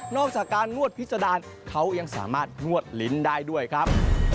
อกจากการนวดพิษดารเขายังสามารถนวดลิ้นได้ด้วยครับ